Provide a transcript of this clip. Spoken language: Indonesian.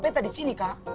betta di sini kak